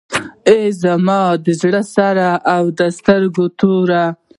ای زما د زړه سره او د سترګو توره.